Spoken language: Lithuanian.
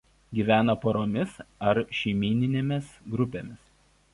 Gyvena poromis ar šeimyninėmis grupėmis.